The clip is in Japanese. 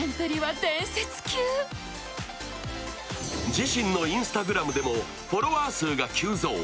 自身のＩｎｓｔａｇｒａｍでもフォロワー数が急増。